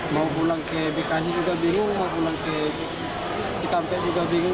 mau pulang ke bekasi juga bingung mau pulang ke cikampek juga bingung